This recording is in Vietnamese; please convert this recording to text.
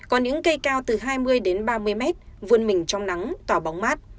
còn những cây cao từ hai mươi ba mươi m vuôn mình trong nắng tỏa bóng mát